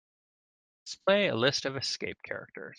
Display a list of escape characters.